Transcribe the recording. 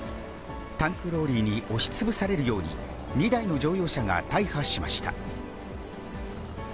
タンクローリーに押しつぶされるように、２台の乗用車が大破しました。